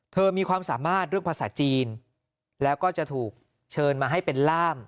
มีความสามารถเรื่องภาษาจีนแล้วก็จะถูกเชิญมาให้เป็นล่าม